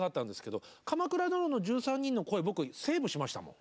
「鎌倉殿の１３人」の声を僕セーブしましたもん。